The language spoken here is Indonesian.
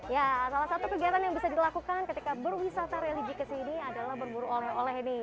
ya salah satu kegiatan yang bisa dilakukan ketika berwisata religi kesini adalah berburu oleh oleh nih